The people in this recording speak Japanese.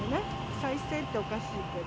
再生っておかしいけど。